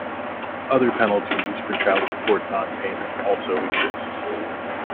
Other penalties for child-support non-payment also exist.